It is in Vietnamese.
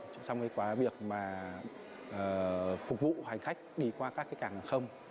trong quá việc phục vụ hành khách đi qua các hàng không